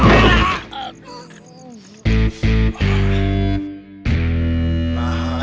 mari cari masalah lagi kalian